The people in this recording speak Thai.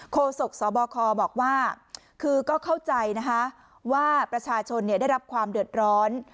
โศกสบคบอกว่าคือก็เข้าใจนะคะว่าประชาชนได้รับความเดือดร้อน